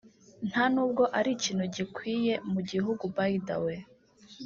nta n’ubwo ari ikintu gikwiye mu gihugu by the way